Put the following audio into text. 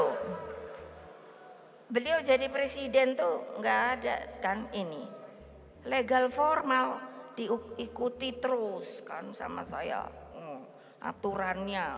hai beliau jadi presiden tuh nggak ada kan ini legal formal diikuti teruskan sama saya aturannya